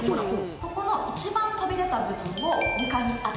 ここの一番飛び出た部分を床に当てていきます。